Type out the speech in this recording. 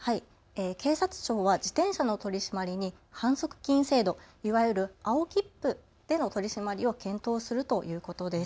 警察庁は自転車の取締りに反則金制度、いわゆる青切符での取締りを検討するということです。